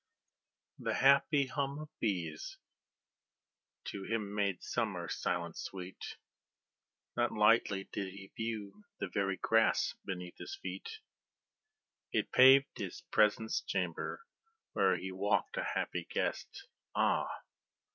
The happy hum of bees to him made summer silence sweet, Not lightly did he view the very grass beneath his feet, It paved His presence chamber, where he walked a happy guest, Ah!